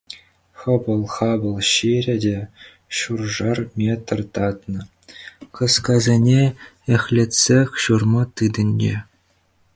Хӑпӑл-хапӑл ҫирӗ те ҫуршар метр татнӑ каскасене эхлетсех ҫурма тытӑнчӗ.